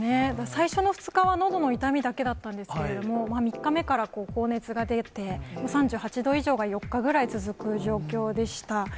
最初の２日はのどの痛みだけだったんですけど、３日目から高熱が出て、３８度以上が４日ぐらい続く状況でした。